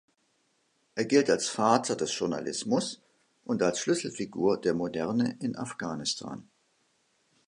Er gilt als „Vater des Journalismus“ und als Schlüsselfigur der Moderne in Afghanistan.